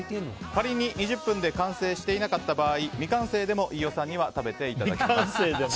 仮に２０分で完成しなかった場合未完成でも飯尾さんには食べていただきます。